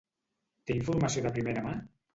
Té informació de primera mà?